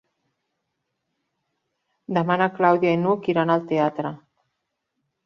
Demà na Clàudia i n'Hug iran al teatre.